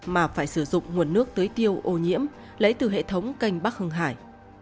mà phải sử dụng nguồn nước tưới tiêu ô nhiễm lấy từ hệ thống canh bắc hưng hải